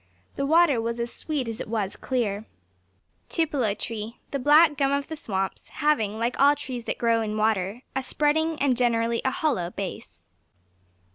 The water was as sweet as it was clear. [#] The black gum of the swamps, having, like all trees that grow in water, a spreading, and generally a hollow base.